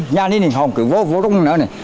nhà nên họ cứ vô vô rung nữa